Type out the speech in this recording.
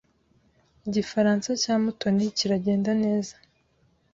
Igifaransa cya Mutoni kiragenda neza.